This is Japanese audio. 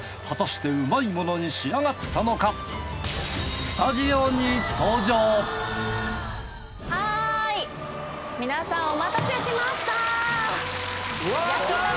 果たしてうまいものに仕上がったのかはい皆さんお待たせしました。